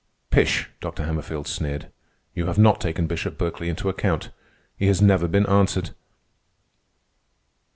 "Pish!" Dr. Hammerfield sneered. "You have not taken Bishop Berkeley into account. He has never been answered."